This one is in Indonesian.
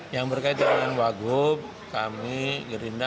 yang berkaitan dengan wago kami gerindra